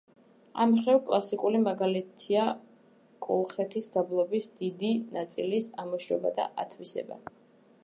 ამ მხრივ კლასიკური მაგალითია კოლხეთის დაბლობის დიდი ნაწილის ამოშრობა და ათვისება.